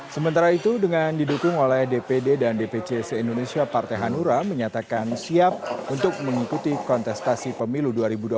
sementara itu dengan didukung oleh dpd dan dpc se indonesia partai hanura menyatakan siap untuk mengikuti kontestasi pemilu dua ribu dua puluh